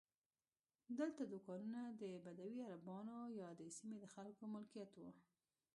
دلته دوکانونه د بدوي عربانو یا د سیمې د خلکو ملکیت وو.